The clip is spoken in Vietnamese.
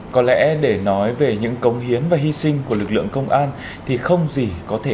có lẽ để nói về những công hiến và hy sinh của lực lượng công an thì không gì có thể